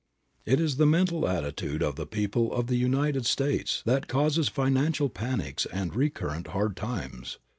It is the mental attitude of the people of the United States that causes financial panics and recurrent "hard times."